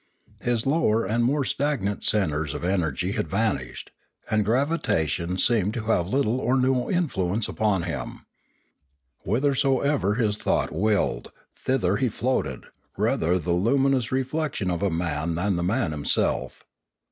His lower and more stagnant centres of energy had van ished; and gravitation seemed to have little or no in fluence upon him. Whithersoever his thought willed, thither he floated, rather the luminous reflection of a Pioneering 483 man than the man himself.